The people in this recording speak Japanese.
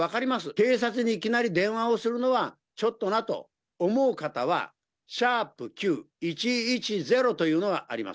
警察にいきなり電話をするのは、ちょっとなと思う方は、♯９１１０というのがあります。